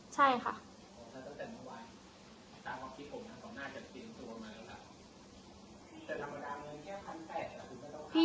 พี่ทะล็อกเต็มขวาเต็มขวาแล้วใช่ไหมครับใช่ค่ะ